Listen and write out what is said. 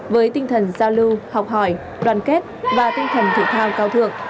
với tinh thần giao lưu học hỏi đoàn kết và tinh thần thể thao cao thượng